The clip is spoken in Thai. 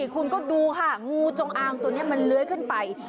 คุณก็ดูค่ะงูจงอางตัวนี้มันเลื้อยขึ้นไป